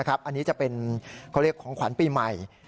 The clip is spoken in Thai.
อันนี้จะเป็นของขวัญปีใหม่